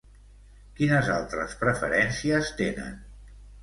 Quines altres preferències tenen?